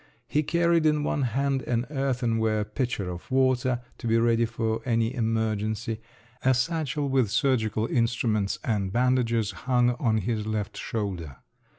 He carried in one hand an earthenware pitcher of water—to be ready for any emergency; a satchel with surgical instruments and bandages hung on his left shoulder.